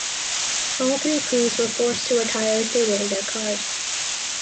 All three crews were forced to retire as they rolled their cars.